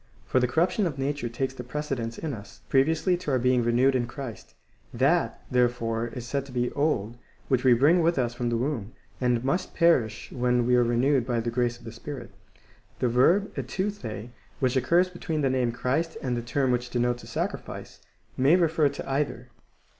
6*,) for the corruption of nature takes the precedence in us, previously to our being renewed in Christ. That, therefore, is said to be old which we bring with us from the womb, and must perish when we are renewed by the grace of the Spirit.^ The verb ervOr], which occurs between the name Christ and the term which denotes a sacrifice,2 may refer to either.